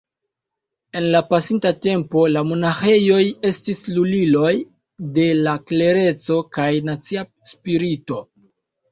En la pasinta tempo, la monaĥejoj estis luliloj de la klereco kaj nacia spirito.